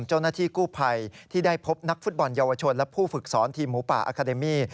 เจ้าหน้าที่กู้ภัยที่ได้พบนักฟุตบอลเยาวชนและผู้ฝึกสอนทีมหมูป่าอาคาเดมี่